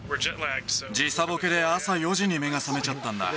時差ボケで朝４時に目が覚めちゃったんだ。